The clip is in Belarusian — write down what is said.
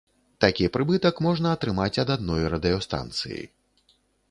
Такі прыбытак можна атрымаць ад адной радыёстанцыі.